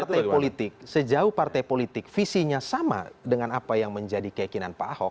partai politik sejauh partai politik visinya sama dengan apa yang menjadi keyakinan pak ahok